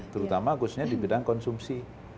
terutama khususnya di bidang konsumsi